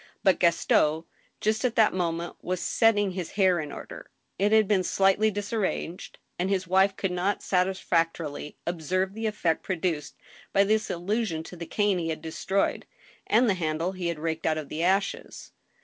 But Gaston, just at that moment, was setting his hair in order— it had been slightly disar ranged — and his wife could not satisfactorily obser\'e the effect pro duced by this allusion to the cane he had destroyed, and the handle he had raked out of the ashes.